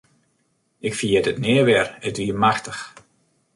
Ik ferjit it nea wer, it wie machtich.